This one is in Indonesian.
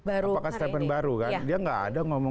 apakah statement baru